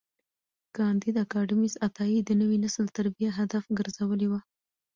کانديد اکاډميسن عطایي د نوي نسل تربیه هدف ګرځولي وه.